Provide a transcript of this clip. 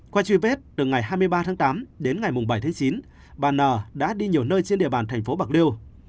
qua truy vết từ ngày hai mươi ba tám đến ngày bảy chín bà n h n đã đi nhiều nơi trên địa bàn thành phố bạc liêu